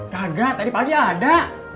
gagah tadi pagi ada